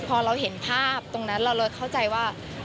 พอเราเห็นภาพตรงนั้นเราเลยเข้าใจว่า